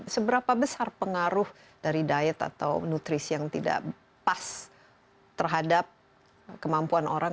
seberapa besar pengaruh dari diet atau nutrisi yang tidak pas terhadap kemampuan orang